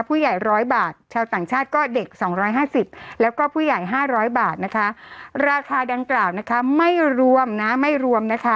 ร้อยบาทชาวต่างชาติก็เด็ก๒๕๐แล้วก็ผู้ใหญ่ห้าร้อยบาทนะคะราคาดังกล่าวนะคะไม่รวมนะไม่รวมนะคะ